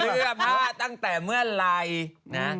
เสื้อผ้าตั้งแต่เมื่อไหร่นะ